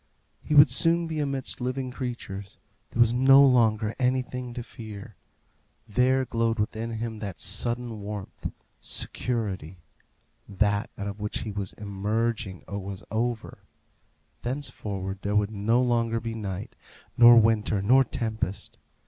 He would soon be amidst living creatures. There was no longer anything to fear. There glowed within him that sudden warmth security; that out of which he was emerging was over; thenceforward there would no longer be night, nor winter, nor tempest.